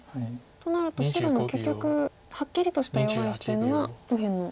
となると白も結局はっきりとした弱い石というのは右辺の。